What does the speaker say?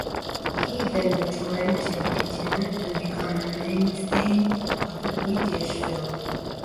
He then returned to Britain and became a mainstay of the British film industry.